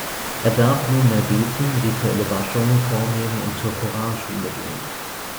Er darf nunmehr beten, rituelle Waschungen vornehmen und zur Koranschule gehen.